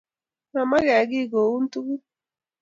Mamage kiy koun tug